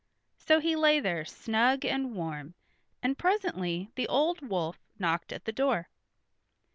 So he lay there snug and warm, and presently the old wolf knocked at the door.